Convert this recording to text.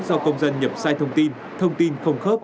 do công dân nhập sai thông tin thông tin không khớp